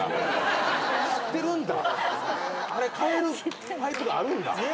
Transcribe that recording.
あれ買えるパイプがあるんだ。